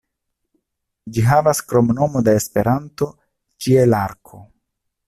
Ĝi havas kromnomo de Esperanto "Ĉielarko".